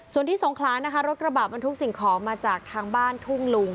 ส่วนที่สงครานะคะรถกระบะบรรทุกสิ่งของมาจากทางบ้านทุ่งลุง